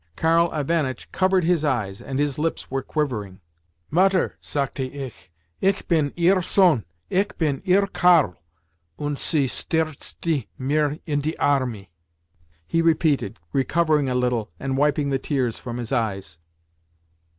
Karl Ivanitch covered his eyes, and his lips were quivering. "'Mutter,' sagte ich, 'ich bin ihr Sohn, ich bin ihr Karl!'—und sie stürtzte mir in die Arme!'" he repeated, recovering a little and wiping the tears from his eyes.